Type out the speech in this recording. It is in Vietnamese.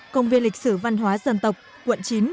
công viên lịch sử văn hóa dân tộc quận chín